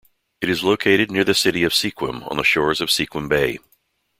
It is located near the city of Sequim on the shores of Sequim Bay.